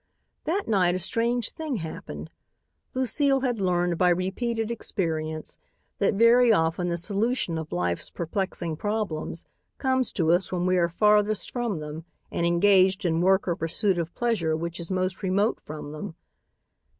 That night a strange thing happened. Lucile had learned by repeated experience that very often the solution of life's perplexing problems comes to us when we are farthest from them and engaged in work or pursuit of pleasure which is most remote from them.